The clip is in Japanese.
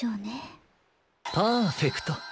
パーフェクト。